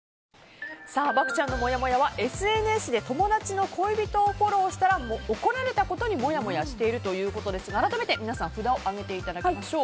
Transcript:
漠ちゃんのもやもやはＳＮＳで友達の恋人をフォローしたら怒られたことにもやもやしているということですが改めて皆さん札を上げていただきましょう。